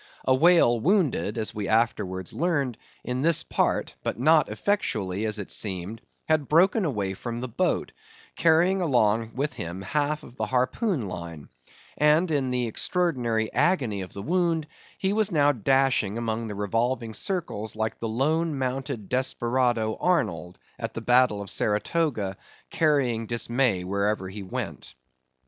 A whale wounded (as we afterwards learned) in this part, but not effectually, as it seemed, had broken away from the boat, carrying along with him half of the harpoon line; and in the extraordinary agony of the wound, he was now dashing among the revolving circles like the lone mounted desperado Arnold, at the battle of Saratoga, carrying dismay wherever he went.